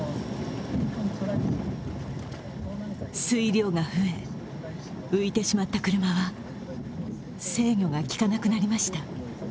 水量が増え、浮いてしまった車は制御がきかなくなりました。